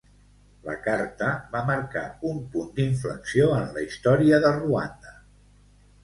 La carta va marcar un punt d'inflexió en la història de Ruanda.